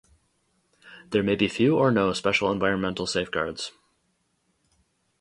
There may be few or no special environmental safeguards.